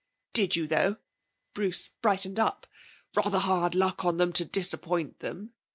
'Did you though?' Bruce brightened up. 'Rather hard luck on them to disappoint them.